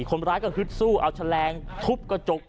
คนร้ายก็ฮึดสู้เอาแฉลงทุบกระจก